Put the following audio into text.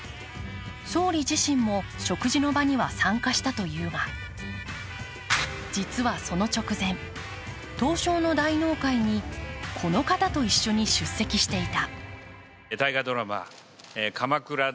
総理自身も食事の場には参加したというが、実はその直前、東証の大納会にこの方と一緒に出席していた。